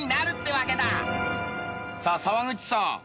さあ沢口さん。